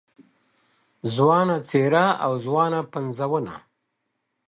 ځوانه څېره او ځوانه پنځونه